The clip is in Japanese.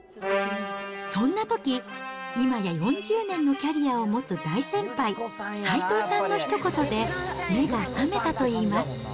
そんなとき、いまや４０年のキャリアを持つ大先輩、齋藤さんのひと言で目が覚めたといいます。